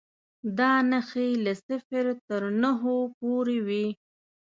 دا نښې له صفر تر نهو پورې وې.